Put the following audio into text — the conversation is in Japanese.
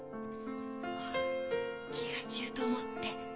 あっ気が散ると思って。